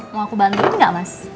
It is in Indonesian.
mau aku bantuin nggak mas